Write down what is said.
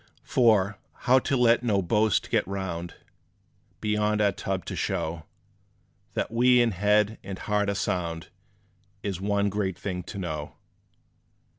For, how to let no boast get round Beyond our tub, to show That we in head and heart are sound, Is one great thing to know.